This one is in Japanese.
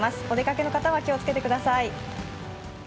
お出かけの方は気を付けてください。